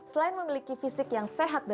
selain memiliki fisik yang sehat